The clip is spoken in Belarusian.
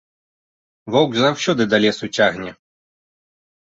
Воўк заўсёды да лесу цягне.